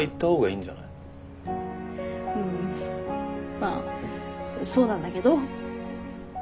まあそうなんだけど。